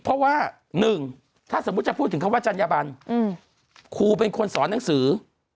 เพราะว่า๑ถ้าสมมุติจะพูดถึงคำว่าจัญญบันครูเป็นคนสอนหนังสือ